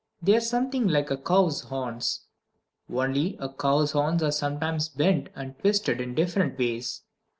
They are something like a cow's horns; only, a cow's horns are sometimes bent and twisted in different ways.